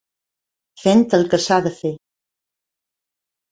Fent el que s'ha de fer.